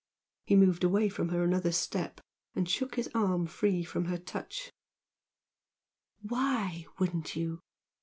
He moved away from her another step, and shook his arm free from her touch. "Why wouldn't you?"